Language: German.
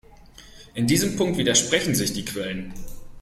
In diesem Punkt widersprechen sich die Quellen.